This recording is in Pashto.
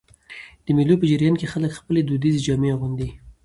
د مېلو په جریان کښي خلک خپلي دودیزي جامې اغوندي.